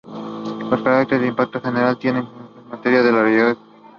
Los cráteres de impacto generalmente tienen un brocal con materiales eyectados a su alrededor.